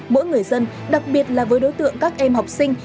mỗi người dân đặc biệt là với đối tượng các em học sinh